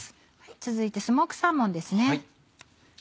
続いてスモークサーモンです。